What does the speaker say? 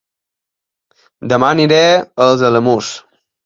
Dema aniré a Els Alamús